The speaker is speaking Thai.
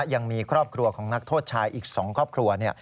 ยังมีครอบครัวของนักโทษชายอีก๒ครอบครัว